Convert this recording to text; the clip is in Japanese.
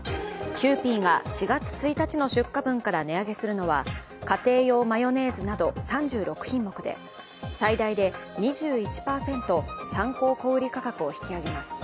キユーピーが４月１日の出荷分から値上げするのは家庭用マヨネーズなど３６品目で最大で２１％参考小売価格を引き上げます。